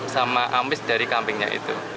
sama ambis dari kambingnya itu